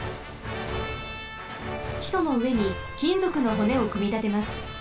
きそのうえにきんぞくのほねをくみたてます。